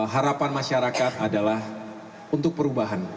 harapan masyarakat adalah untuk perubahan